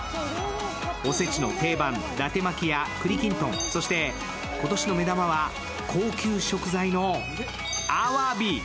お節の定番、だて巻きやくりきんとん、そして今年の目玉は高級食材のあわび。